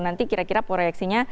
nanti kira kira proyeksinya